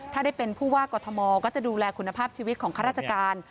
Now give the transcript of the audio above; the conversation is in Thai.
ถ้าได้เป็นผู้ว่ากอทมก็จะดูแลคุณภาพชีวิตของข้าราชการ